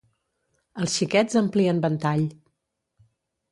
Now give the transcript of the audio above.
Els Xiquets amplien ventall